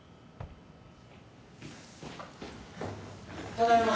ただいま。